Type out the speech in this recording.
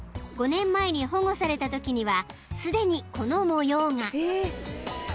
［５年前に保護されたときにはすでにこの模様が］